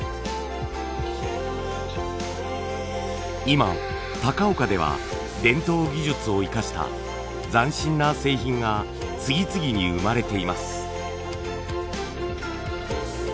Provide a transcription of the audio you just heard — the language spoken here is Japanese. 今高岡では伝統技術を生かした斬新な製品が次々に生まれています。